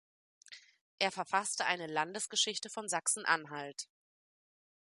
Er verfasste eine Landesgeschichte von Sachsen-Anhalt.